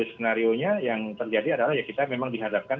skenario nya yang terjadi adalah ya kita memang dihadapkan